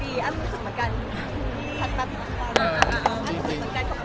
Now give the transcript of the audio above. พี่เอ็มเค้าเป็นระบองโรงงานหรือเปลี่ยนไงครับ